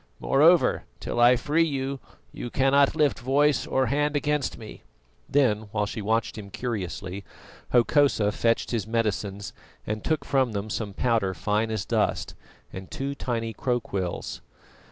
Moreover, till I free you, you cannot lift voice or hand against me." Then, while she watched him curiously, Hokosa fetched his medicines and took from them some powder fine as dust and two tiny crowquills.